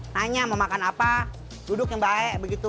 nanya mau makan apa duduk yang baik begitu